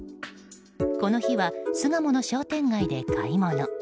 この日は巣鴨の商店街で買い物。